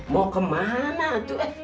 mau kemana atukum